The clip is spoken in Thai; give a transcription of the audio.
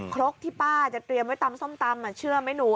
ครกที่ป้าจะเตรียมไว้ตำส้มตำเชื่อไหมหนู